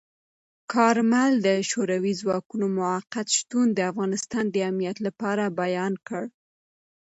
کارمل د شوروي ځواکونو موقت شتون د افغانستان د امنیت لپاره بیان کړ.